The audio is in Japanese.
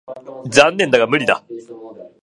残念だが無理だ。